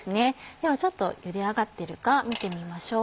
ではちょっとゆで上がってるか見てみましょう。